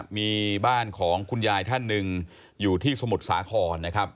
มีบ้านของคุณยายท่านหนึ่งอยู่ที่สมุทรสาครนะครับ